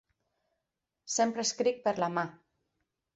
Sempre escric per la Ma